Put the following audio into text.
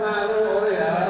saya diberi perjalanan